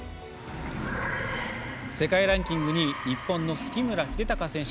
世界ランキング２位日本の杉村英孝選手。